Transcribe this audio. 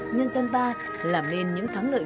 nhân dân ta làm nên những thắng lợi